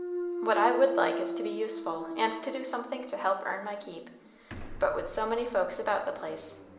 "What I would like is to be useful, and to do somethink to help earn my keep. But, with so many folks about the place.